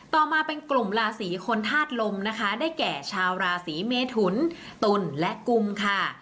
ต่อมาเป็นกลุ่มราศีคนธาตุลมนะคะได้แก่ชาวราศีเมทุนตุลและกุมค่ะ